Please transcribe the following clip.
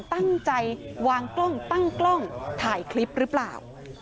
ตั้งใจวางกล้องตั้งกล้องถ่ายคลิปหรือเปล่า